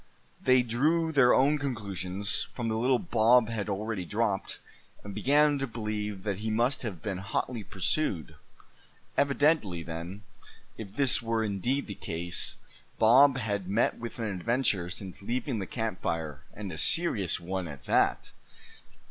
They drew their own conclusions from the little Bob had already dropped; and began to believe that he must have been hotly pursued. Evidently then, if this were indeed the case, Bob had met with an adventure since leaving the camp fire, and a serious one at that.